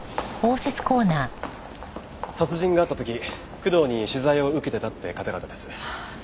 殺人があった時工藤に取材を受けてたって方々です。